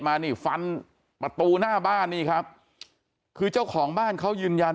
มานี่ฟันประตูหน้าบ้านนี่ครับคือเจ้าของบ้านเขายืนยัน